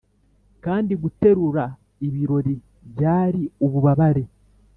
kandi guterura ibiro byari ububabare.